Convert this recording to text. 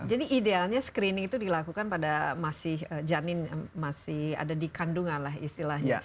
jadi idealnya screening itu dilakukan pada masih janin masih ada di kandungan lah istilahnya